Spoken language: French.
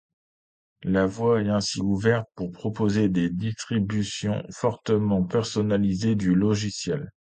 La voie est ainsi ouverte pour proposer des distributions fortement personnalisables du logiciel.